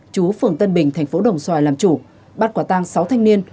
chú phường tân bình tp đồng xoài làm chủ bắt quả tăng sáu thanh niên